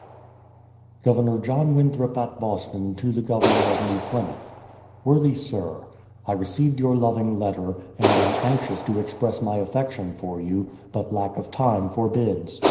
f THE PLYMOUTH SETTLEMENT 289 Governor John Winthrop at Boston to the Governor of Nem Plymouth: Worthy Sir, I received your loving letter, and am anxious to express my affection for you, but lack of time forbids.